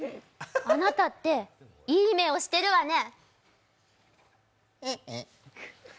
あなたって、いい目をしてるわね。